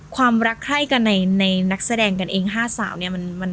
ความรักไข้กับกันเองคุณน้ายนักแสดง๕สาม